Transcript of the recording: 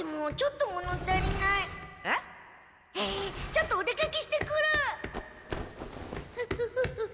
ちょっとお出かけしてくる！